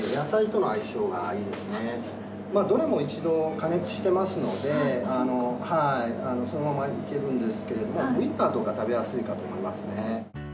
どれも一度加熱してますのでそのままいけるんですけれどもウィンナーとか食べやすいかと思いますね。